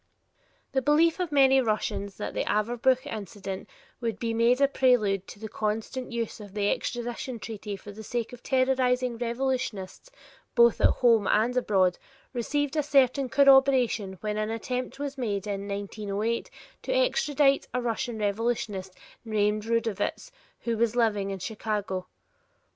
The belief of many Russians that the Averbuch incident would be made a prelude to the constant use of the extradition treaty for the sake of terrorizing revolutionists both at home and abroad received a certain corroboration when an attempt was made in 1908 to extradite a Russian revolutionist named Rudovitz who was living in Chicago.